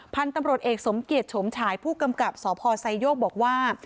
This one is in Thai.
พันธุ์ตำรวจเอกสมเกียจโฉมฉายผู้กำกับสพไซโยกบอกว่า